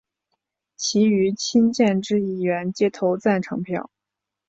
其余亲建制议员皆投赞成票。